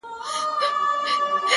o زه به هم داسي وكړم ـ